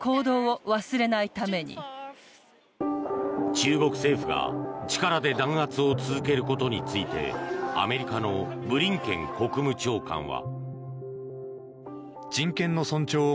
中国政府が力で弾圧を続けることについてアメリカのブリンケン国務長官は。